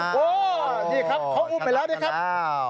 โอ้โหนี่ครับเขาอุ้มไปแล้วนะครับ